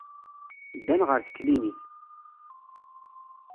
Ddan ɣer teklinit.